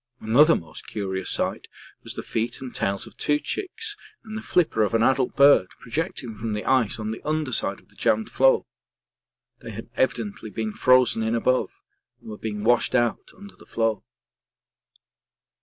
Another most curious sight was the feet and tails of two chicks and the flipper of an adult bird projecting from the ice on the under side of the jammed floe; they had evidently been frozen in above and were being washed out under the floe.